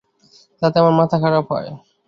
তাতে আমার মাথা খারাপ হয়।